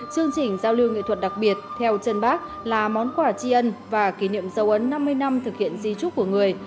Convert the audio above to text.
chương trình giao lưu nghệ thuật đặc biệt theo chân bác là món quà tri ân và kỷ niệm dấu ấn năm mươi năm thực hiện di trúc của người